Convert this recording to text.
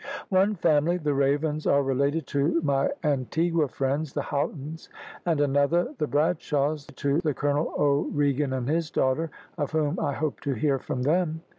One family, the Ravens, are related to my Antigua friends, the Houghtons; and another, the Bradshaws, to Colonel O'Regan and his daughter, of whom I hoped to hear from them.